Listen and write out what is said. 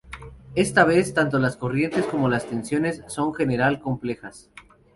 Esta vez, tanto las corrientes como las tensiones, son, en general, complejas.